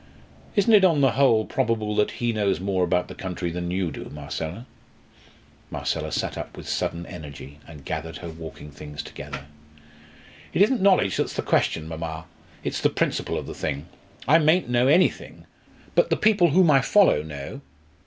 Isn't it, on the whole, probable that he knows more about the country than you do, Marcella?" Marcella sat up with sudden energy and gathered her walking things together. "It isn't knowledge that's the question, mamma; it's the principle of the thing. I mayn't know anything, but the people whom I follow know.